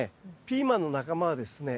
ピーマンの仲間はですね